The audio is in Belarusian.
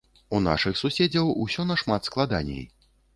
У нашых суседзяў усё нашмат складаней.